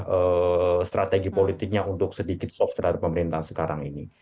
apa strategi politiknya untuk sedikit soft terhadap pemerintahan sekarang ini